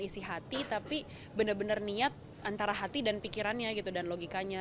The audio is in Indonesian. isi hati tapi benar benar niat antara hati dan pikirannya gitu dan logikanya